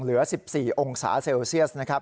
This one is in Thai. เหลือ๑๔องศาเซลเซียส